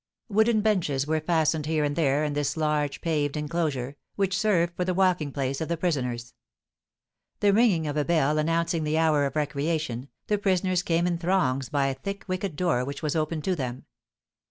Wooden benches were fastened here and there in this large paved enclosure, which served for the walking place of the prisoners. The ringing of a bell announcing the hour of recreation, the prisoners came in throngs by a thick wicket door which was opened to them.